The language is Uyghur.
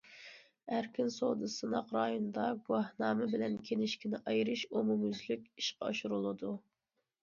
ئەركىن سودا سىناق رايونىدا« گۇۋاھنامە بىلەن كىنىشكىنى ئايرىش» ئومۇميۈزلۈك ئىشقا ئاشۇرۇلىدۇ.